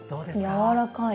やわらかい。